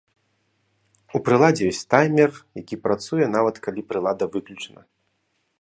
У прыладзе ёсць таймер, які працуе, нават калі прылада выключана.